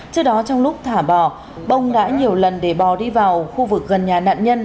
trước đó trong lúc thả bò bông đã nhiều lần để bò đi vào khu vực gần nhà nạn nhân